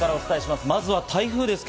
まずは台風です。